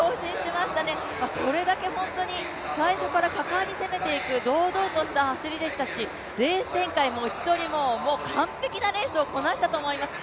それだけ本当に最初から果敢に攻めていく、堂々とした走りでしたしレース展開も位置取りも完璧なレースをこなしたと思います。